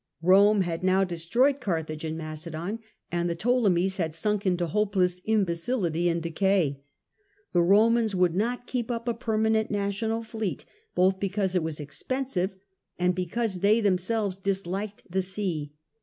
Rome had now destroyed Carthage and Macedon, and the Ptolemies had sunk into hopeless imbecility and decay. The Romans would not keep up a permanent national fleet, both because it was expensive, and because they themselves disliked the sea.